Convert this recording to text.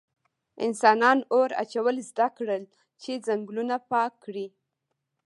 انسانان اور اچول زده کړل چې ځنګلونه پاک کړي.